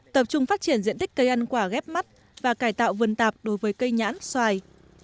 tập trung phát triển diện tích cây ăn quả ghép mắt và cải tạo vườn tạp đối với cây nhãn xoài